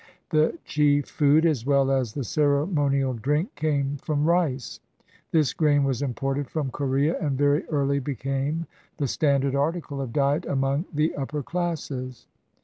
The chief food, as well as the ceremonial drink, came from rice. This grain was imported from Corea, and very early became the standard article of diet among the up per classes.